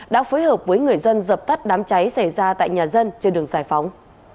đã phối hợp với người dân dập tắt đám cháy xảy ra tại nhà dân trên đường giải phóng